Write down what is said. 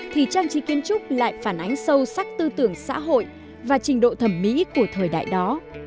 thì trang trí kiến trúc lại phản ánh sâu sắc tư tưởng xã hội và trình độ thẩm mỹ của thời đại đó